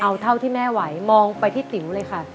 เอาเท่าที่แม่ไหวมองไปที่ติ๋วเลยค่ะ